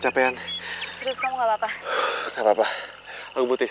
cler dari aku takut pakyeah